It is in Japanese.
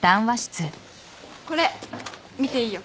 これ見ていいよ。